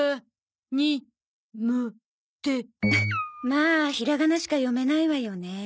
まあひらがなしか読めないわよね。